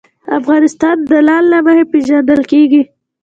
افغانستان د لعل له مخې پېژندل کېږي.